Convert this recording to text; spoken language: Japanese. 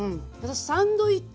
サンドイッチ。